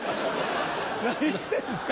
何してんすか。